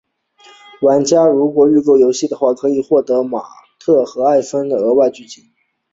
玩家如果预购游戏的话可获得关于马特和艾蜜莉的额外剧情。